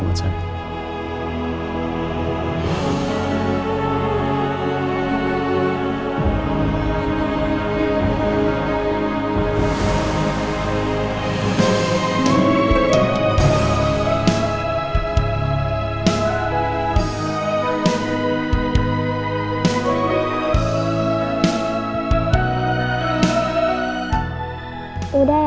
kalo saya terserah anaknya